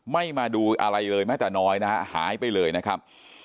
ไม่มาดูอะไรเลยแม้แต่น้อยนะฮะหายไปเลยนะครับ